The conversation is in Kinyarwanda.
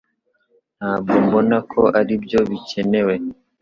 Ntabwo mbona ko aribyo bikenewe